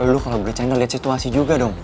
lo kalo gue cenda liat situasi juga dong